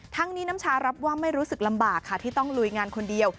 ทั้งนี้น้ำชารับว่าไม่รู้สึกลำบากค่ะที่ต้องลุยงานคนเดียว